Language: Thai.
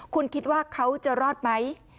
คุณคิดว่าเขาจะรอดไหม